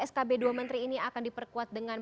skb dua menteri ini akan diperkuat dengan